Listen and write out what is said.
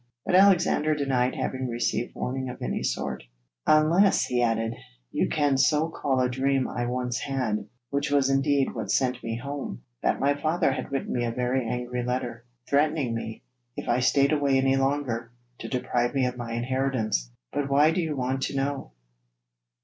But Alexander denied having received warning of any sort, 'unless,' he added, 'you can so call a dream I once had which was indeed what sent me home that my father had written me a very angry letter, threatening me, if I stayed away any longer, to deprive me of my inheritance. But why do you want to know?'